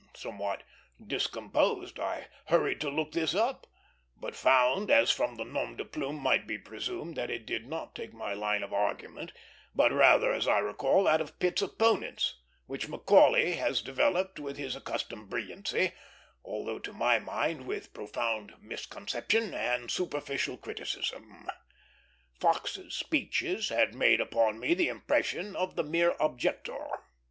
Somewhat discomposed, I hurried to look this up; but found, as from the nom de plume might be presumed, that it did not take my line of argument, but rather, as I recall, that of Pitt's opponents, which Macaulay has developed with his accustomed brilliancy, although to my mind with profound misconception and superficial criticism. Fox's speeches had made upon me the impression of the mere objector.